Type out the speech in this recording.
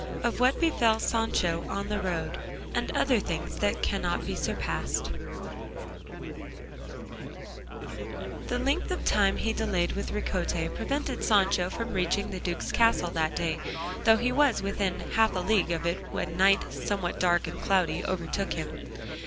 OF WHAT BEFELL SANCHO ON THE ROAD, AND OTHER THINGS THAT CANNOT BE SURPASSED The length of time he delayed with Ricote prevented Sancho from reaching the duke's castle that day, though he was within half a league of it when night, somewhat dark and cloudy, overtook him.